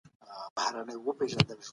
ښوونکی د زدهکوونکو ذوق او علاقه وده ورکوي.